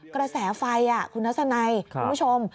กระแสไฟคุณทัศนัยคุณผู้ชม